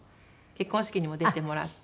結婚式にも出てもらって。